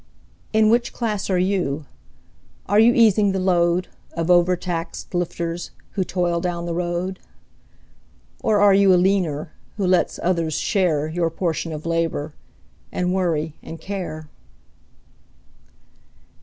In which class are you? Are you easing the load, Of overtaxed lifters, who toil down the road? Or are you a leaner, who lets others share Your portion of labor, and worry and care?